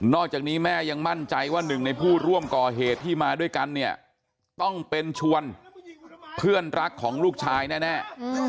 อกจากนี้แม่ยังมั่นใจว่าหนึ่งในผู้ร่วมก่อเหตุที่มาด้วยกันเนี่ยต้องเป็นชวนเพื่อนรักของลูกชายแน่